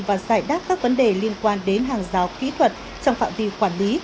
và giải đáp các vấn đề liên quan đến hàng rào kỹ thuật trong phạm vi quản lý